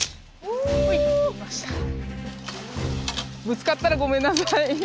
ぶつかったらごめんなさい。